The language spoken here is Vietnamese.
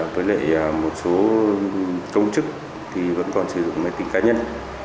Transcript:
với lại một số công chức thì vẫn còn sử dụng máy tính cá nhân